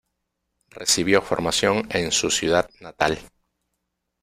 Recibió formación en su ciudad natal.